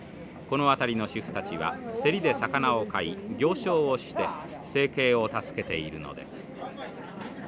この辺りの主婦たちは競りで魚を買い行商をして生計を助けているのです。